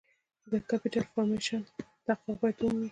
د Capital Formation تحقق باید ومومي.